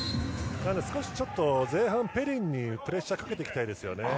少し前半ペリンにプレッシャーをかけていきたいですね。